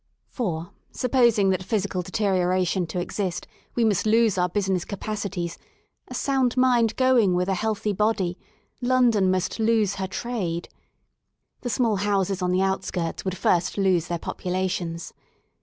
For, supposing that Physical Deterioration to exist, we must lose our business capacities; a sound mind going with a healthy body, London must lose her trade. The small houses on the outskirts would first lose their populations.